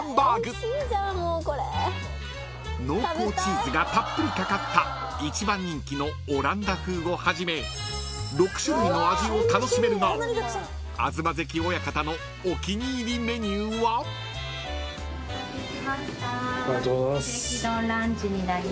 ［濃厚チーズがたっぷりかかった一番人気のオランダ風をはじめ６種類の味を楽しめるが東関親方のお気に入りメニューは？］お待たせしました。